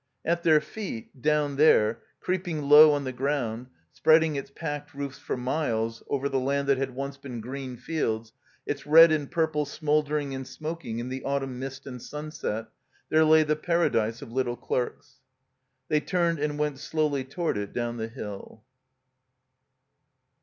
At their feet, down there, creeping low on the ground, spreading its packed roofs for miles over the land that had once been green fields, its red and purple smoldering and smoking in the autumn mist and sunset, there lay the Paradise of Little Clerks. They turned and went slowly toward it down the hill.